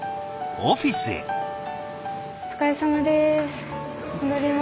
お疲れさまです。